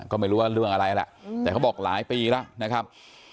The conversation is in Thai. ก็ไม่รู้ว่าเรื่องอะไรแหละแต่เขาบอกหลายปีแล้วนะครับ